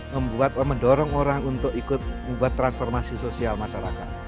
membuat mendorong orang untuk ikut membuat transformasi sosial masyarakat